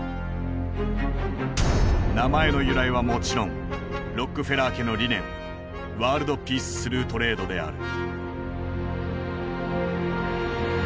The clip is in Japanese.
名前の由来はもちろんロックフェラー家の理念「ワールド・ピース・スルー・トレード」である。